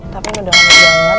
tapi ini udah lama banget